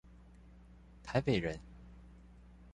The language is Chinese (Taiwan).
台北人